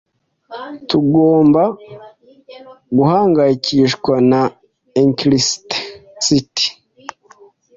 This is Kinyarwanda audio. Ntugomba guhangayikishwa na eccentricities.